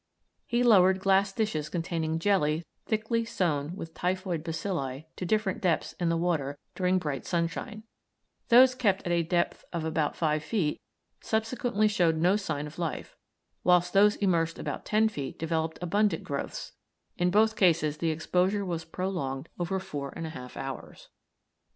He lowered glass dishes containing jelly thickly sown with typhoid bacilli to different depths in the water during bright sunshine; those kept at a depth of about five feet subsequently showed no sign of life, whilst those immersed about ten feet developed abundant growths; in both cases the exposure was prolonged over four and a half hours.